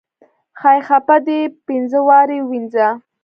خۍ خپه دې پينزه وارې ووينزه.